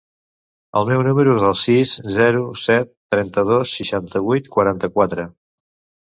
El meu número es el sis, zero, set, trenta-dos, seixanta-vuit, quaranta-quatre.